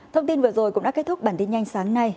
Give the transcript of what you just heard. thông tin vừa rồi cũng đã kết thúc bản tin nhanh sáng nay